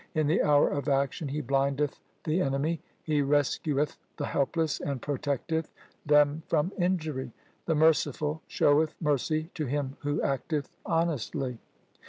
In the hour of action he blindeth the enemy. He rescueth the helpless and protecteth them from injury. The Merciful showeth mercy to him who acteth honestly.